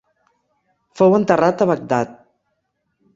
Fou enterrat a Bagdad.